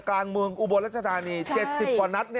กลางเมืองอุบลรัชธานีเจ็ดสิบกว่านัด